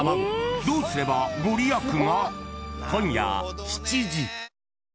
どうすればご利益が？